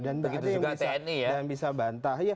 dan bisa bantah